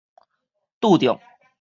拄著